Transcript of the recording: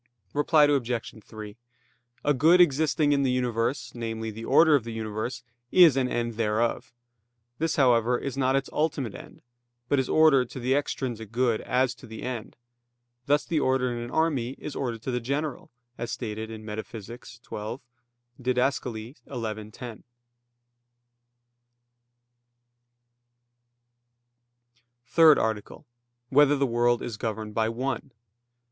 Reply Obj. 3: A good existing in the universe, namely, the order of the universe, is an end thereof; this, however, is not its ultimate end, but is ordered to the extrinsic good as to the end: thus the order in an army is ordered to the general, as stated in Metaph. xii, Did. xi, 10. _______________________ THIRD ARTICLE [I, Q. 103, Art. 3] Whether the World Is Governed by One?